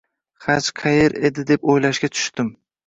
Haj qayer edi deb oʻylashga tushdim.